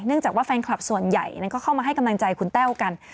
จากว่าแฟนคลับส่วนใหญ่นั้นก็เข้ามาให้กำลังใจคุณแต้วกัน